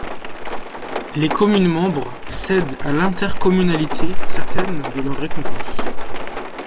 Les communes membres cèdent à l'intercommunalité certaines de leurs compétences.